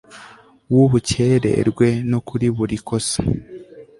w ubukererwe no kuri buri kosa